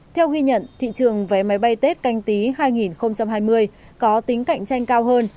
theo ghi nhận thị trường vé máy bay tết canh tí hai nghìn hai mươi có tính cạnh tranh cao hơn